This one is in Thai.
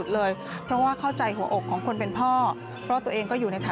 และมีความชุด